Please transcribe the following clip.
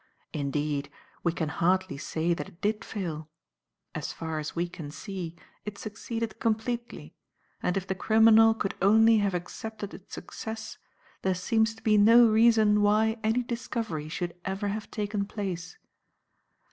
Indeed, we can hardly say that it did fail. As far as we can see, it succeeded completely, and if the criminal could only have accepted its success, there seems to be no reason why any discovery should ever have taken place.